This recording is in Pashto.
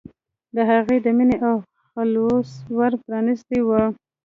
د هغه د مینې او خلوص ور پرانستی و.